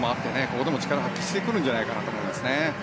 ここでも力を発揮してくるんじゃないかなと思いますね。